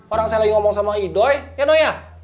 orang saya sedang berbicara sama idoi ya noya